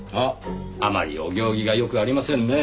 あまりお行儀がよくありませんねぇ。